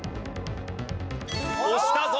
押したぞ。